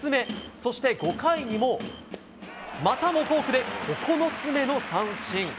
そして、５回にもまたもフォークで９つ目の三振。